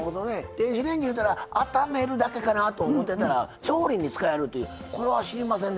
電子レンジいうたらあっためるだけかなと思ってたら調理に使えるというこれは知りませんでした。